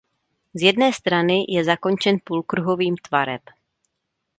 Z jedné strany je zakončen půlkruhovým tvarem.